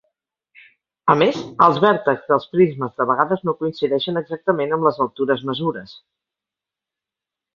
A més, els vèrtexs dels prismes de vegades no coincidien exactament amb les altures mesures.